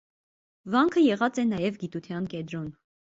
Վանքը եղած է նաեւ գիտութեան կեդրոն։